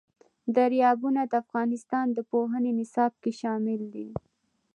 دریابونه د افغانستان د پوهنې نصاب کې شامل دي.